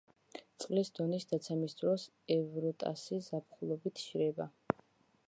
წყლის დონის დაცემის დროს ევროტასი ზაფხულობით შრება.